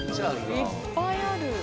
いっぱいある。